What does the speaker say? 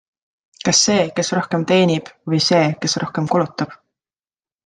Kas see, kes rohkem teenib, või see, kes rohkem kulutab?